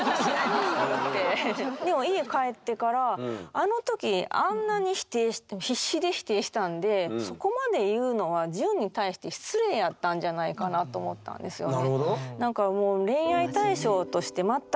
でも家帰ってからあの時あんなに否定必死で否定したんでそこまで言うのはジュンに対して失礼やったんじゃないかなと思ったんですよね。